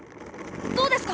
どうですか？